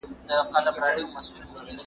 او ترې راځوړنده لاسونه دې ونهلړزېدل؟